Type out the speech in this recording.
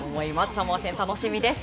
サモア戦、楽しみです。